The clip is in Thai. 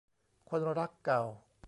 คนรักเก่า